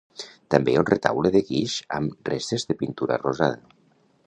També hi ha un retaule de guix amb restes de pintura rosada.